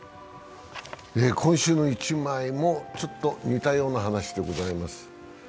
「今週の一枚」も似たような話でございます。